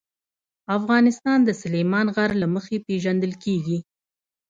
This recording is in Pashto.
افغانستان د سلیمان غر له مخې پېژندل کېږي.